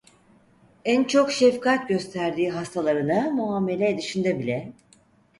En çok şefkat gösterdiği hastalarına muamele edişinde bile…